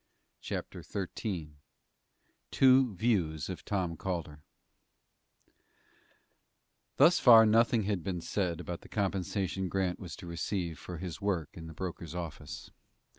CHAPTER XIII TWO VIEWS OF TOM CALDER Thus far nothing had been said about the compensation Grant was to receive for his work in the broker's office.